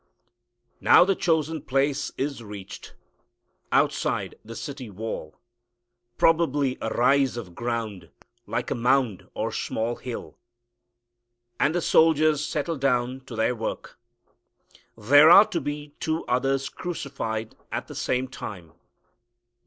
Now the chosen place is reached, outside the city wall, probably a rise of ground, like a mound or small hill. And the soldiers settle down to their work. There are to be two others crucified at the same time.